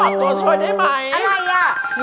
ฉันขอตัวช่วยได้ไหมอันไหนอ่ะ